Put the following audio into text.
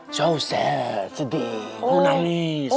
so sad sedih mau nangis